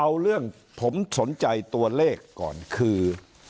เอาเรื่องผมสนใจตัวเลขก่อนคือ